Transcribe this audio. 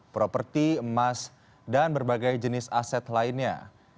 properti emas dan berbagai jenis aset lainnya